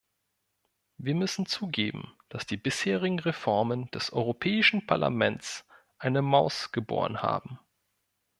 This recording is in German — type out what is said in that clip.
Wir müssen zugeben, dass die bisherigen Reformen des Europäischen Parlaments eine Maus geboren haben.